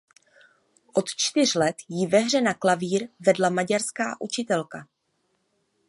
Od čtyř let ji ve hře na klavír vedla maďarská učitelka.